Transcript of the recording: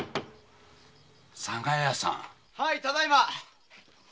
はいただいま。